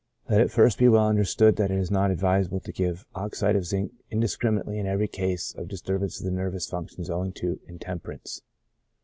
Let it first be well understood, that it is not advisable to give oxide of zinc indiscriminately in every case of disturb ance of the nervous functions owing to intemperance.